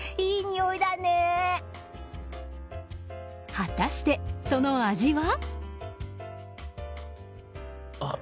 果たして、その味は？